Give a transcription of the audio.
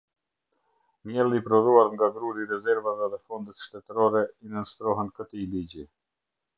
Mielli i prodhuar nga gruri i rezervave dhe fondet shtetërore i nënshtrohen këtij ligji.